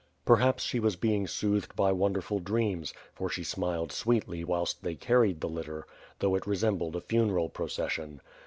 Perhaps she was being soothed by wonderful dreams, for she smiled sweetly whilst they carried the litter, though it resembled a funeral procession.